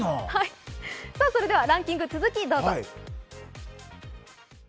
それではランキング、続きどうぞ。